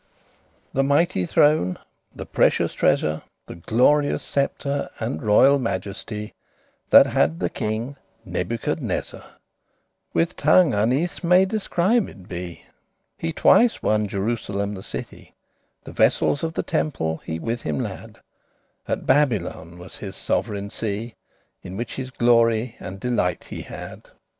The mighty throne, the precious treasor, The glorious sceptre, and royal majesty, That had the king NABUCHODONOSOR With tongue unnethes* may described be. *scarcely He twice won Jerusalem the city, The vessels of the temple he with him lad;* *took away At Babylone was his sov'reign see,* *seat In which his glory and delight he had.